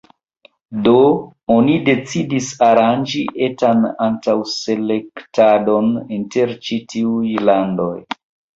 Do oni decidis aranĝi etan antaŭ-selektadon inter ĉi-tiuj landoj.